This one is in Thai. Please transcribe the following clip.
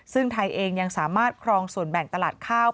ซึ่งไทยเองยังสามารถครองส่วนแบ่งตลาดข้าว